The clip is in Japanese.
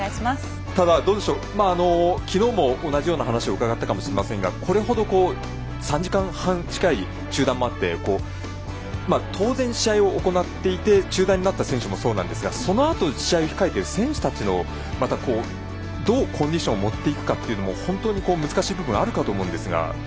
ただ、きのうも同じような話を伺ったかもしれませんが３時間半近い中断もあって当然試合を行っていて中断になった選手もそうなんですがそのあと試合を控えている選手たちのどうコンディションを持っていくかというのも難しい部分があるかと思うんですが。